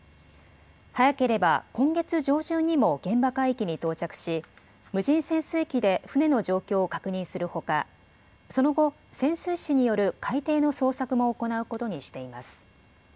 早ければ今月上旬にも現場海域に到着し無人潜水機で船の状況を確認するほかその後、潜水士による海底の捜索も行うことにしています。